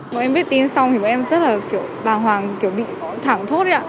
mọi em biết tin xong thì mọi em rất là bàng hoàng bị thẳng thốt